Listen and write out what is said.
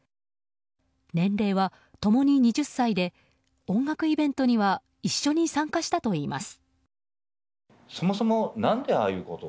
年齢は共に２０歳で音楽イベントには一緒に参加したといいます。